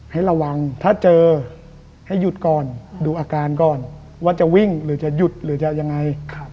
ให้ระวังถ้าเจอให้หยุดก่อนดูอาการก่อนว่าจะวิ่งหรือจะหยุดหรือจะยังไง